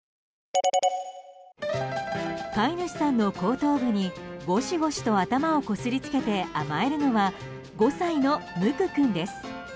飼い主さんの後頭部にゴシゴシと頭をこすりつけて甘えるのは、５歳のむく君です。